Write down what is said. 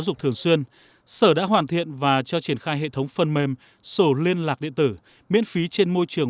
dân sở đã hoàn thiện và cho triển khai hệ thống phần mềm sổ liên lạc điện tử miễn phí trên môi trường